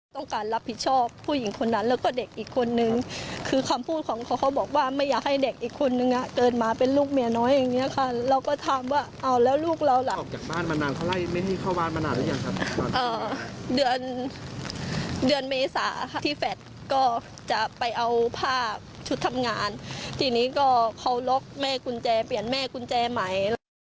ที่นี้ก็เขาล๊อคแม่กุญแจเปลี่ยนแม่กุญแจใหม่